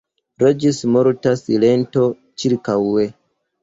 Regis morta silento ĉirkaŭe.